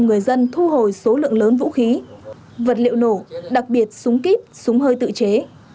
người dân thu hồi số lượng lớn vũ khí vật liệu nổ đặc biệt súng kíp súng hơi tự chế